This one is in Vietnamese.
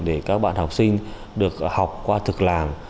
để các bạn học sinh được học qua thực làm